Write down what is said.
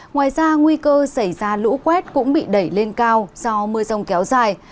ngoài ra nguy cơ xảy ra lũ quét cũng bị đẩy lên cao do mưa rông kéo dài